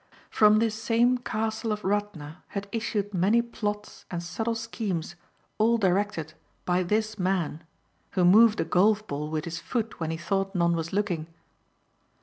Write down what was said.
From this same Castle of Radna had issued many plots and subtle schemes all directed by this man who moved a golf ball with his foot when he thought none was looking.